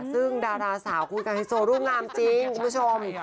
ซึ่งดาราสาวคุณกันไฮโซรูปงามจริงคุณผู้ชม